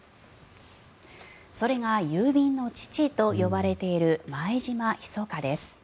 それが郵便の父と呼ばれている前島密です。